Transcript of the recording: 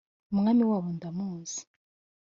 umwami wabo ndamuzi.